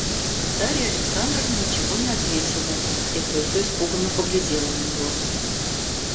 Дарья Александровна ничего не ответила и только испуганно поглядела на него.